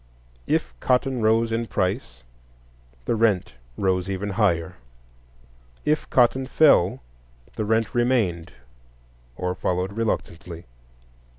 If cotton rose in price, the rent rose even higher; if cotton fell, the rent remained or followed reluctantly.